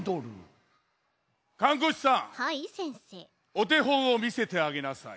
おてほんをみせてあげなさい。